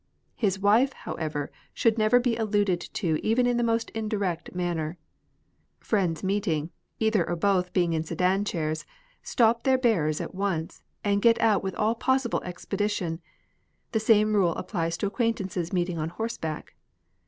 His wife, however, should never be alluded to even in the most indirect manner. Friends meeting, either or both being in sedan chairs, stop their bearers at once, and get out with all possible expedition ; the same rule applies to acquaintances meeting on horseback.